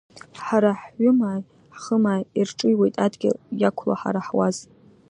Ҳара ҳҩымааи, ҳхымааи ирҿыҩуеит адгьыл иақәлоу ҳара ҳуаз…